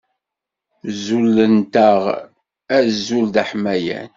Zulent-aɣ azul d aḥmayan.